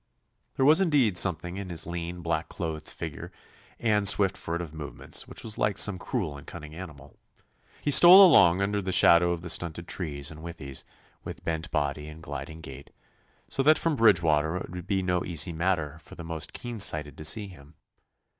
There was indeed something in his lean, black clothed figure and swift furtive movements which was like some cruel and cunning animal. He stole along under shadow of the stunted trees and withies, with bent body and gliding gait, so that from Bridgewater it would be no easy matter for the most keen sighted to see him.